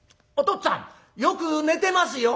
っつぁんよく寝てますよ」。